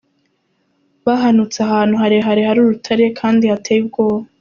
Bahanutse ahantu harehare hari urutare kandi hateye ubwoba.